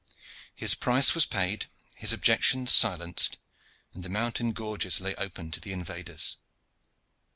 His price was paid, his objections silenced, and the mountain gorges lay open to the invaders.